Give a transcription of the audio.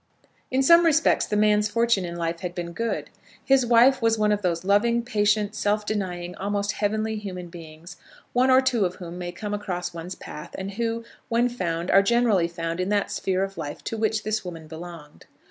In some respects the man's fortune in life had been good. His wife was one of those loving, patient, self denying, almost heavenly human beings, one or two of whom may come across one's path, and who, when found, are generally found in that sphere of life to which this woman belonged.